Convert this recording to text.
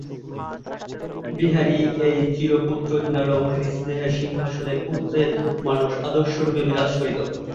বিহারী এই চিরপুত্রহীনা রমণীর স্নেহ-সিংহাসনে পুত্রের মানস-আদর্শরূপে বিরাজ করিত।